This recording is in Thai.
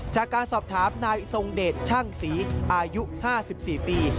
จากการสอบถามนายทรงเดชช่างศรีอายุ๕๔ปี